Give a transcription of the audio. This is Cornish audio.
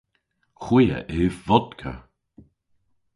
Hwi a yv vodka.